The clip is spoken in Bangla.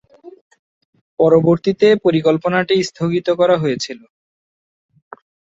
পরবর্তীতে পরিকল্পনাটি স্থগিত করা হয়েছিল।